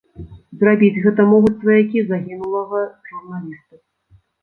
Зрабіць гэта могуць сваякі загінулага журналіста.